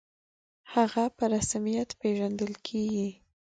«هغه» په رسمیت پېژندل کېږي.